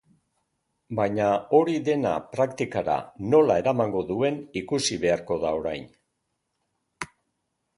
Baina hori dena praktikara nola eramango duen ikusi beharko da orain.